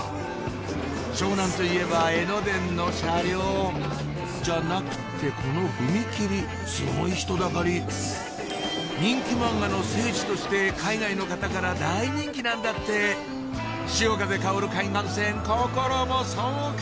湘南といえば江ノ電の車両じゃなくてこの踏切すごい人だかり人気漫画の聖地として海外の方から大人気なんだって潮風香る海岸線心も爽快！